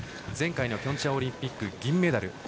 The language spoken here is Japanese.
前回のピョンチャンオリンピック銀メダル。